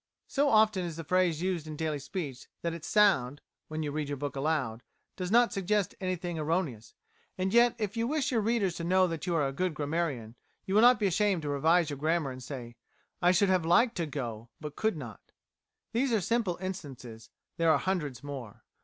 So often is the phrase used in daily speech, that its sound (when you read your book aloud) does not suggest anything erroneous. And yet if you wish your reader to know that you are a good grammarian, you will not be ashamed to revise your grammar and say, "I should have liked to go, but could not." These are simple instances: there are hundreds more.